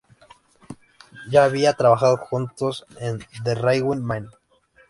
Ya habían trabajado juntos en "The Railway Man".